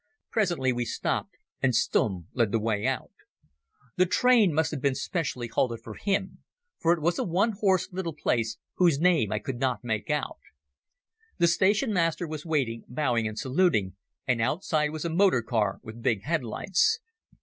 Presently we stopped, and Stumm led the way out. The train must have been specially halted for him, for it was a one horse little place whose name I could not make out. The station master was waiting, bowing and saluting, and outside was a motor car with big head lights.